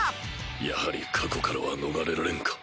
やはり過去からは逃れられんか。